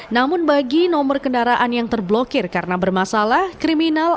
namun bagi nomor kendaraan yang terblokir karena bermasalah kriminal